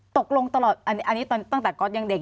ตกลงตลอดอันนี้ตั้งแต่ก๊อตยังเด็ก